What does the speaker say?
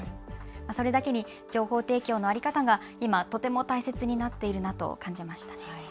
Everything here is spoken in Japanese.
それだけに情報提供の在り方が今とても大切になっているなと感じました。